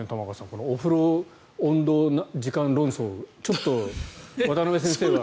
この、お風呂温度時間論争ちょっと渡邊先生が。